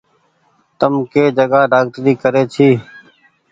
تم ڪي جگآ ڊآڪٽري ڪري ڇي۔